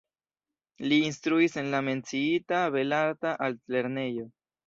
Li instruis en la menciita Belarta Altlernejo.